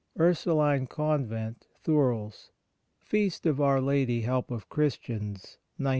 Ursuline Convent, Thurles, Feast of Our Lady Help of Christians, 1901.